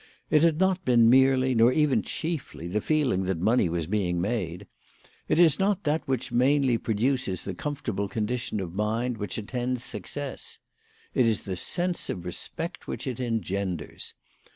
It had not been merely, nor even chiefly, the feeling that money was being made. It is not that which mainly produces the comfortable condition of mind which attends success. It is the sense of respect which it engenders.